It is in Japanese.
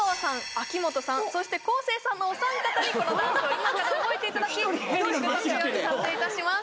秋元さんそして昴生さんのお三方にこのダンスを今から覚えていただきＴｉｋＴｏｋ用に撮影いたします